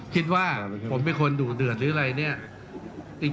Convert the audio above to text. คิดว่าผมเป็นคนดุเดือดหรืออะไรเนี่ย